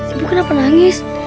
ibu kenapa nangis